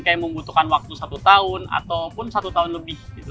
kayak membutuhkan waktu satu tahun ataupun satu tahun lebih gitu